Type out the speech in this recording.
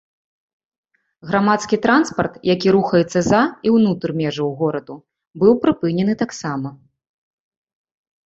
Грамадскі транспарт, які рухаецца за і ўнутр межаў гораду быў прыпынены таксама.